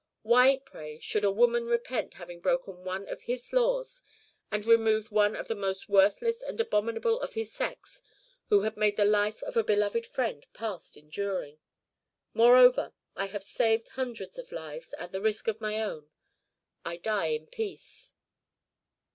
Why, pray, should a woman repent having broken one of his laws and removed one of the most worthless and abominable of his sex, who had made the life of a beloved friend past enduring? Moreover, I have saved hundreds of lives at the risk of my own. I die in peace.